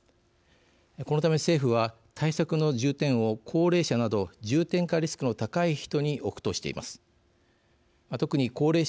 このため、政府は対策の重点を高齢者など重点化リスクの高い人に置くとしています。